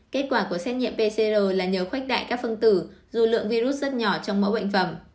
kết quả của xét nghiệm pcr là nhờ khuếch đại các phân tử dù lượng virus rất nhỏ trong mẫu bệnh phẩm